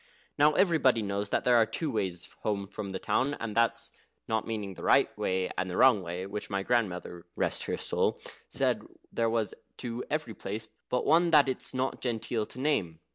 Now everybody knows there are two ways home from the town; and that's not meaning the right way and the wrong way, which my grandmother (rest her soul!) said there was to every place but one that it's not genteel to name.